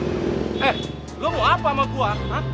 eh lu mau apa sama gua